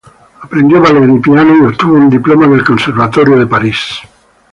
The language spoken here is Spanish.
Aprendió ballet y piano y obtuvo un diploma del Conservatorio de París.